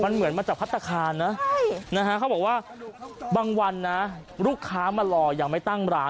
มันเหมือนมาจากพัฒนาคารนะเขาบอกว่าบางวันนะลูกค้ามารอยังไม่ตั้งร้าน